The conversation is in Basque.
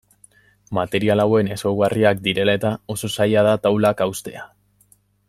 Material hauen ezaugarriak direla eta, oso zaila da taulak haustea.